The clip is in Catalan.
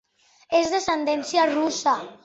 És d'ascendència russa.